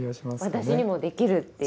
私にもできるっていう。